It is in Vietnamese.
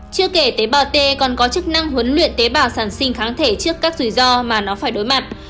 chưa kể tế bào t còn có chức năng huấn luyện tế bào sản sinh kháng thể trước các rủi ro mà nó phải đối mặt